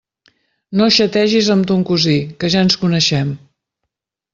No xategis amb ton cosí, que ja ens coneixem!